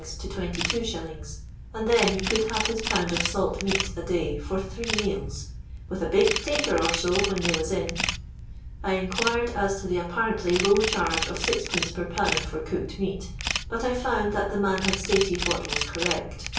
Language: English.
to 22s. ; and then he could have his pound of salt meat a day, for three meals, with a " baked tatur or so, when they was in." I inquired as to the apparently low charae of 6<2. per pound for cooked flnat, but I found that the man had stated what was correct.